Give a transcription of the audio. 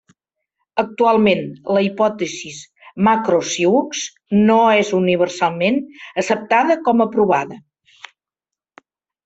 Actualment, la hipòtesi Macro-Sioux no és universalment acceptada com a provada.